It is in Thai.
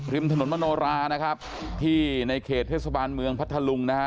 ริมถนนมโนรานะครับที่ในเขตเทศบาลเมืองพัทธลุงนะฮะ